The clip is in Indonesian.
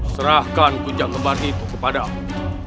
serahkan kujang kembar itu kepada aku